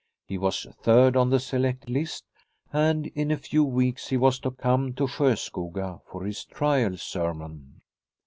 He was third on the select list, and in a few weeks he was to come to Sjoskoga for his trial sermon.